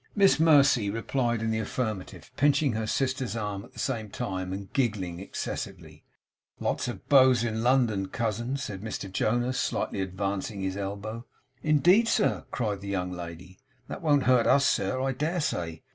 Miss Mercy replied in the affirmative, pinching her sister's arm at the same time, and giggling excessively. 'Lots of beaux in London, cousin!' said Mr Jonas, slightly advancing his elbow. 'Indeed, sir!' cried the young lady. 'They won't hurt us, sir, I dare say.